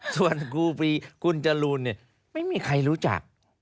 ส่วนครูปีคุณจรูนเนี่ยไม่มีใครรู้จัก